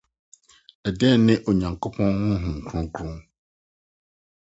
Dɛn Ne Onyankopɔn Honhom Kronkron?